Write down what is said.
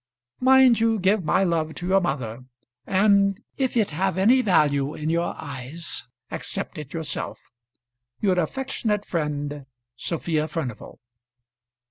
Mind you give my love to your mother; and if it have any value in your eyes accept it yourself. Your affectionate friend, SOPHIA FURNIVAL.